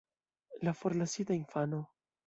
La forlasita infano.